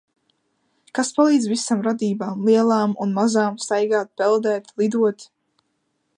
Kas palīdz visām radībām, lielām un mazām, staigāt, peldēt, lidot?